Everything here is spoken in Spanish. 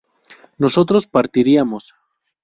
nosotros partiríamos